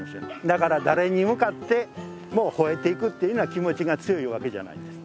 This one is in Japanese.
だから誰に向かってもほえていくっていうのは気持ちが強いわけじゃないんです。